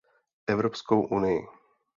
Evropskou unii.